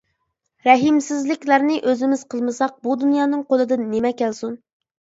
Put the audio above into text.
رەھىمسىزلىكلەرنى ئۆزىمىز قىلمىساق بۇ دۇنيانىڭ قولىدىن نېمە كەلسۇن؟ !